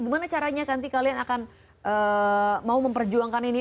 gimana caranya nanti kalian akan mau memperjuangkan ini